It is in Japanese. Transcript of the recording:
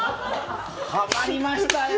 はまりましたよ！